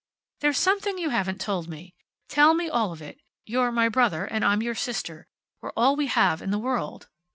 "There's something you haven't told me. Tell me all of it. You're my brother and I'm your sister. We're all we have in the world."